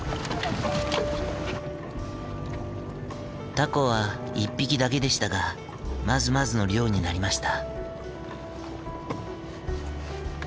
タコは１匹だけでしたがまずまずの漁になりました。